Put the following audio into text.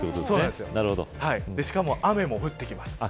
しかも、雨も降ってきます。